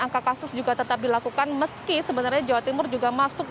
angka kasus juga tetap dilakukan meski sebenarnya jawa timur juga masuk